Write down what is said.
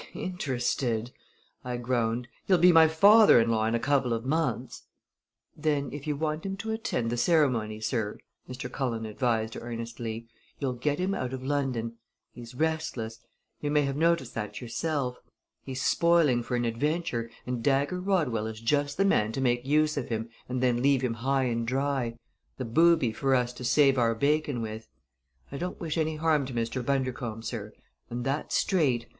"Interested!" I groaned. "He'll be my father in law in a couple of months." "Then if you want him to attend the ceremony, sir," Mr. Cullen advised earnestly, "you'll get him out of London. He's restless. You may have noticed that yourself. He's spoiling for an adventure, and Dagger Rodwell is just the man to make use of him and then leave him high and dry the booby for us to save our bacon with. I don't wish any harm to Mr. Bundercombe, sir and that's straight!